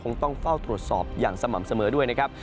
ต้องเฝ้าตรวจสอบอย่างสม่ำเสมอด้วยนะครับ